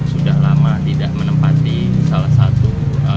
sudah lama tidak menempati salah satu